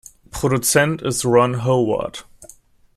Produzent ist Ron Howard.